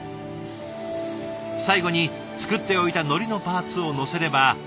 最後に作っておいたのりのパーツをのせれば。